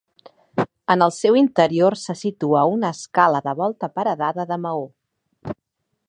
En el seu interior se situa una escala de volta paredada de maó.